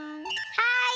はい！